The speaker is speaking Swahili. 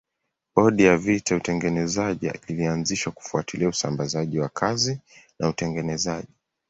Bodi ya vita ya utengenezaji ilianzishwa kufuatilia usambazaji wa kazi na utengenezaji.